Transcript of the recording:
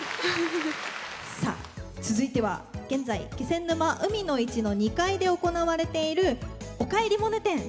さあ続いては現在気仙沼海の市の２階で行われている「おかえりモネ展」。